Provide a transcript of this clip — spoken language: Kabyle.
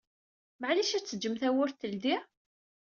Meɛlic ad teǧǧem tawwurt teldi?